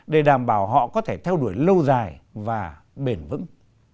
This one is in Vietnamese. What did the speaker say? để đảm bảo họ có thể theo đuổi lâu dài và bền vững